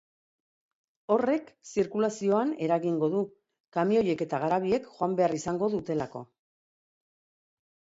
Horrek zirkulazioan eragingo du, kamioiek eta garabiek joan behar izango dutelako.